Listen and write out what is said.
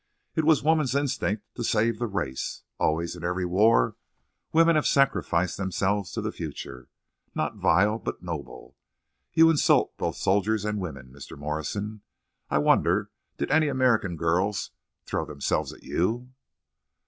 It was woman's instinct to save the race! Always, in every war, women have sacrificed themselves to the future. Not vile, but noble!... You insult both soldiers and women, Mr. Morrison. I wonder—did any American girls throw themselves at _you?